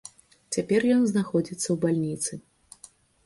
Цяпер ён знаходзіцца ў бальніцы.